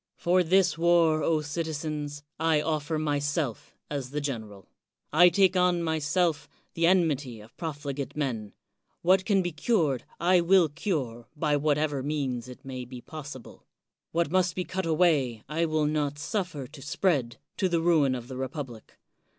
For this war, O citi zens, I offer myself as the general I take on myself the enmity of profligate men. What can be cured, I will cure, by whatever means it may be possible. What must be cut away, I will not suffer to spread, to the ruin of the republic.